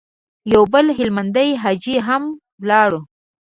يو بل هلمندی حاجي هم ولاړ و.